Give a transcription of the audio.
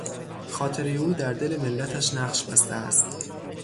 خاطرهی او در دل ملتش نقش بسته است.